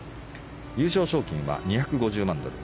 優勝賞金は２５０万ドル